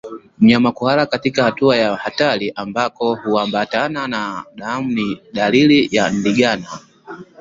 Mnyama kuhara katika hatua ya hatari ambako huambatana na damu ni dalili ya ndigana